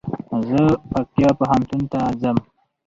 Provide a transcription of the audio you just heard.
زه پکتيا پوهنتون ته ځم